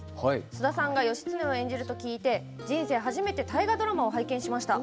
菅田さんが義経を演じると聞いて人生初めて大河ドラマを拝見しました。